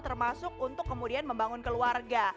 termasuk untuk kemudian membangun keluarga